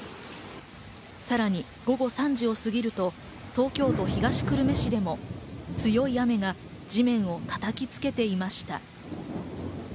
さらに午後３時をすぎると、東京都東久留米市でも強い雨が地面を叩きつけていました。